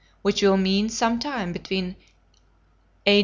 which will mean some time between A.